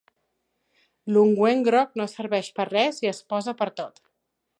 L'ungüent groc no serveix per res i es posa pertot.